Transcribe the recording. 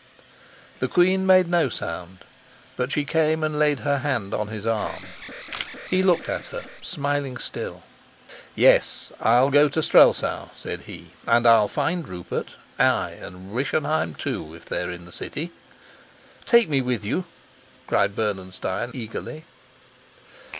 The queen made no sound; but she came and laid her hand on his arm. He looked at her, smiling still. "Yes, I'll go to Strelsau," said he, "and I'll find Rupert, ay, and Rischenheim too, if they're in the city." "Take me with you," cried Bernenstein eagerly.